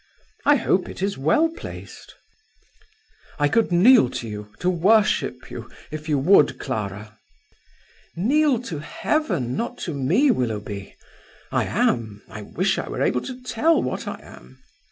"I hope it is well placed." "I could kneel to you, to worship you, if you would, Clara!" "Kneel to Heaven, not to me, Willoughby. I am I wish I were able to tell what I am.